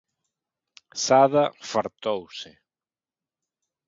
Sada fartouse.